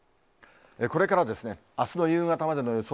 これからあすの夕方までの予想